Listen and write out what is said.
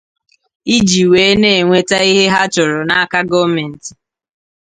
iji wee na-enweta ihe ha chọrọ n'aka gọọmenti.